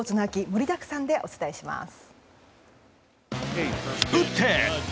盛りだくさんでお伝えします。